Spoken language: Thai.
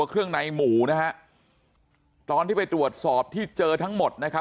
เครื่องในหมูนะฮะตอนที่ไปตรวจสอบที่เจอทั้งหมดนะครับ